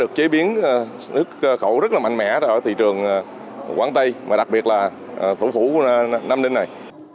chế biến nước khẩu rất là mạnh mẽ ở thị trường quảng tây và đặc biệt là phủ phủ của nam ninh này